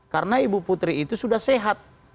karena ibu putri itu sudah sehat